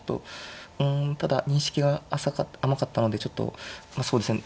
うんただ認識が甘かったのでちょっとそうですね